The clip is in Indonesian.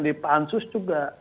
di pansus juga